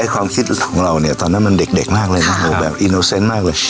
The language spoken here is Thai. ความคิดของเราเนี่ยตอนนั้นมันเด็กมากเลยนะโหแบบอินโนเซนต์มากเลย